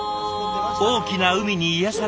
大きな海に癒やされたい。